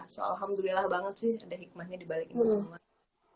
so alhamdulillah banget sih ada hikmahnya dibalikin semua